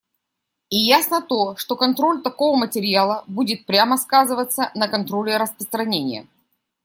И ясно то, что контроль такого материала будет прямо сказываться на контроле распространения.